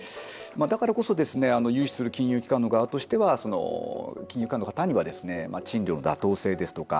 だからこそ融資する金融機関の側としては金融機関の方には賃料の妥当性ですとか。